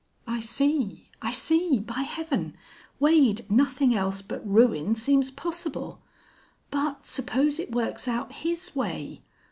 "I see. I see. By Heaven! Wade, nothing else but ruin seems possible!... But suppose it works out his way!...